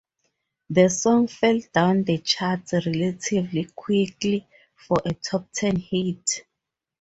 The song fell down the charts relatively quickly for a top-ten hit.